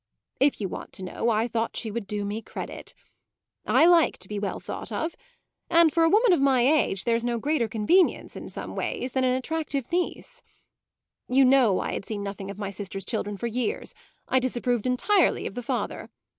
If you want to know, I thought she would do me credit. I like to be well thought of, and for a woman of my age there's no greater convenience, in some ways, than an attractive niece. You know I had seen nothing of my sister's children for years; I disapproved entirely of the father.